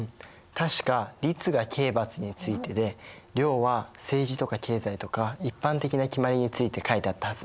確か「律」が刑罰についてで「令」は政治とか経済とか一般的な決まりについて書いてあったはず。